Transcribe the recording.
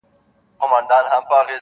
بلکي د حافظې په ژورو کي نور هم خښېږي,